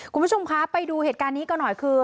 คุณผู้ชมคะไปดูเหตุการณ์นี้กันหน่อยคือ